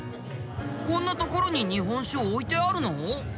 こんなところに日本酒置いてあるの？